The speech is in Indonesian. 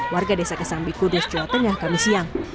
warga desa kesambi kudus jawa tengah kami siang